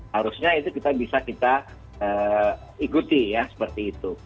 harusnya itu kita bisa kita ikuti ya seperti itu